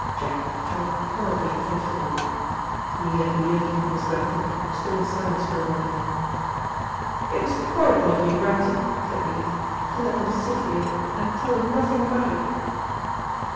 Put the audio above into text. Jack felt horribly uncomfortable. He and Edith and Miss Grantham stood in silence for a moment. "It was horrible of you, Grantie," said Edith, "to let them sit here, and tell them nothing about it."